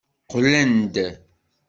Qqlen-d.